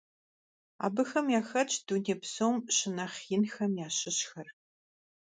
Abıxem yaxetş dunêy psom şınexh yinxem yaşışxer.